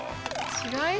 違い？